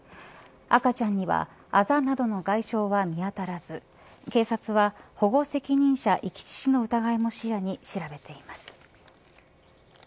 赤ちゃんにはあざなどの外傷は見当たらず警察は保護責任者遺棄致死の疑いも視野に調べています。